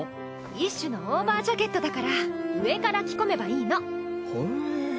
一種のオーバージャケットだから上から着込めばいいの。へ。